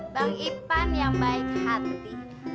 bang impan yang baik hati